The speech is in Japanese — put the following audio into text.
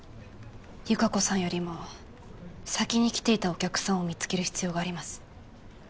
由香子さんよりも先に来ていたお客さんを見つける必要があります。